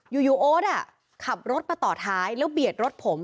โอ๊ตขับรถมาต่อท้ายแล้วเบียดรถผม